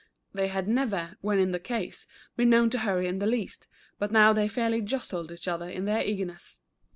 They had never, when in the case, been known to hurry in the least, but now they fairly jostled each other in their eagerness.